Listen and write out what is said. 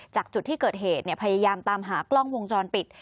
จากจุดที่เกิดเหตุพยายามตามหากล้องวงจรปิด